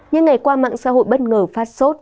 những ngày qua mạng xã hội bất ngờ phát sốt